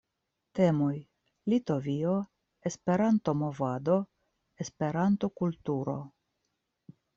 Temoj: Litovio, Esperanto-movado, Esperanto-kulturo.